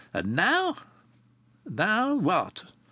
And now " "Now what?"